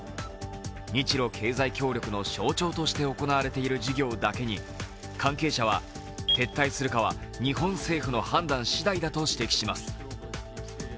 日ロ経済協力の象徴として行われている事業だけに関係者は、撤退するかは日本政府の判断次第だと指摘します。